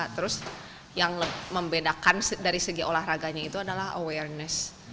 terus yang membedakan dari segi olahraganya itu adalah awareness